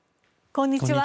こんにちは。